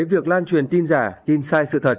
việc lan truyền tin giả tin sai sự thật